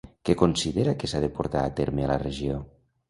Què considera que s'ha de portar a terme a la regió?